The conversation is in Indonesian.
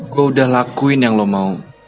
gue udah lakuin yang lo mau